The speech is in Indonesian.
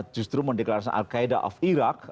justru mendeklarasikan al qaeda of iraq